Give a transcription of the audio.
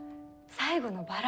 最後のバラ？